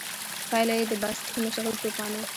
پایله یې د باسټیل مشهور توپان و.